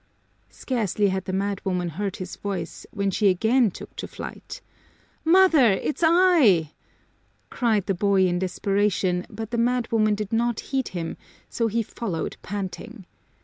Scarcely had the madwoman heard his voice when she again took to flight. "Mother, it's I!" cried the boy in desperation, but the madwoman did not heed him, so he followed panting.